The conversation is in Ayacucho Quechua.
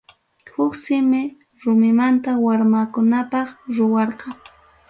Huk simi rumimanta warmakunapaq ruwarqa.